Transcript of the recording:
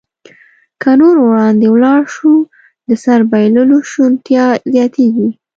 که نور وړاندې ولاړ شو، د سر بایللو شونتیا زیاتېږي.